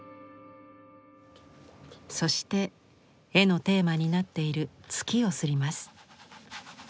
そして絵のテーマになっている月を摺ります。